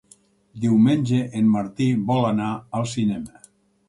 Diumenge en Martí vol anar al cinema.